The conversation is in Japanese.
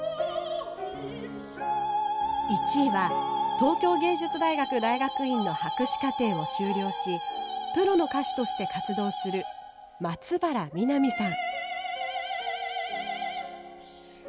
東京藝術大学大学院の博士課程を修了しプロの歌手として活動する松原みなみさん。